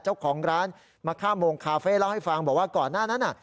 เจ้าของร้านมะค่าโมงคาเฟ่เล่าให้ฟังบอกว่าก่อนหน้านั้นน่ะ